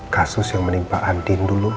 kasus yang menimpa andin dulu